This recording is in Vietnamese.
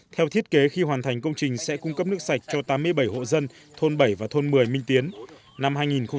theo thiết kế khi hoàn thành công trình sẽ cung cấp nước sạch cho tám mươi bảy hộ dân thôn bảy và thôn một mươi minh tiến năm hai nghìn một mươi bảy